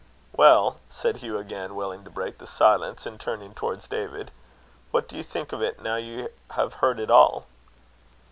"Well," said Hugh, again, willing to break the silence, and turning towards David, "what do you think of it now you have heard it all?"